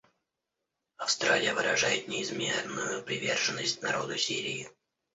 Австралия выражает неизменную приверженность народу Сирии.